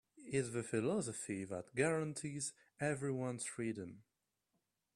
It's the philosophy that guarantees everyone's freedom.